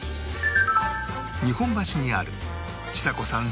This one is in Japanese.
日本橋にあるちさ子さん